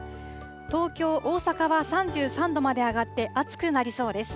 東京、大阪は３３度まで上がって暑くなりそうです。